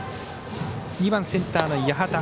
２番センターの八幡。